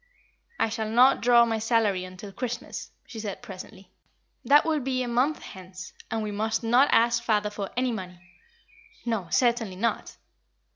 "I shall not draw my salary until Christmas," she said, presently. "That will be a month hence; and we must not ask father for any money." "No, certainly not."